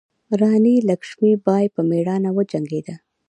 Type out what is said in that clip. راني لکشمي بای په میړانه وجنګیده.